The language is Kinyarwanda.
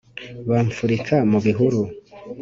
bamfurika mu bihuru